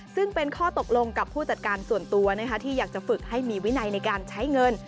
ซึ่งเป็นข้อตกลงกับผู้จัดการส่วนตัวที่อยากจะฝึกให้มีวินัยในการใช้เงิน